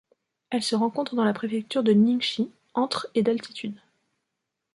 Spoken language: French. Elle se rencontre dans la préfecture de Nyingchi entre et d'altitude.